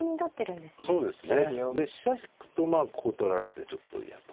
そうですね。で飛車引くとここ取られてちょっと嫌と。